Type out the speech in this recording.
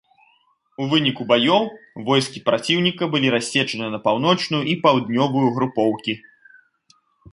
У выніку баёў войскі праціўніка былі рассечаны на паўночную і паўднёвую групоўкі.